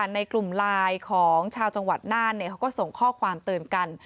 ในกลุ่มไลน์ของชาวจังหวัดน่านเขาก็ส่งข้อความเตือนกัน